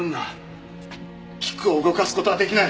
菊を動かす事は出来ない。